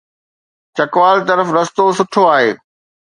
چکوال طرف رستو سٺو آهي.